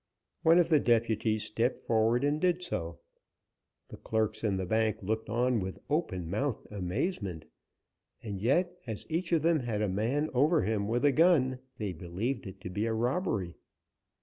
One of the deputies stepped forward and did so. The clerks in the bank looked on with open mouthed amazement. And as each of them had a man over him with a gun, they believed it to be a robbery.